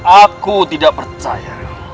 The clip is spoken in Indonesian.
aku tidak percaya